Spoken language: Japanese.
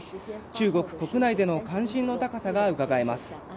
中国国内での関心の高さがうかがえます。